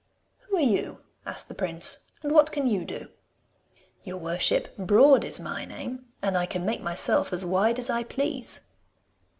'Who are you?' asked the prince, 'and what can you do?' 'Your worship, Broad is my name, and I can make myself as wide as I please.